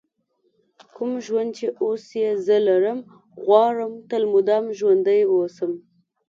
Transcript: کوم ژوند چې اوس یې زه لرم غواړم تل مدام ژوندی ووسم.